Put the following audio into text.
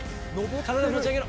体持ち上げろ。